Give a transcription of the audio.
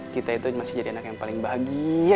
kita itu masih jadi anak yang paling bahagia